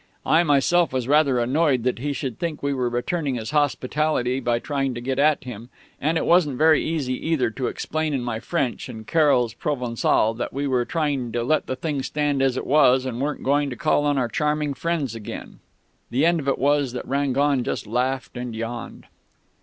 I myself was rather annoyed that he should think we were returning his hospitality by trying to get at him, and it wasn't very easy either to explain in my French and Carroll's Provençal that we were going to let the thing stand as it was and weren't going to call on our charming friends again.... The end of it was that Rangon just laughed and yawned....